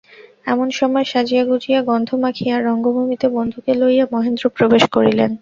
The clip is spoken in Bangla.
এমন সময় সাজিয়া-গুজিয়া গন্ধ মাখিয়া রঙ্গভূমিতে বন্ধুকে লইয়া মহেন্দ্র প্রবেশ করিলেন।